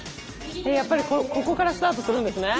やっぱりここからスタートするんですね。